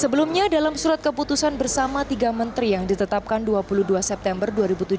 sebelumnya dalam surat keputusan bersama tiga menteri yang ditetapkan dua puluh dua september dua ribu tujuh belas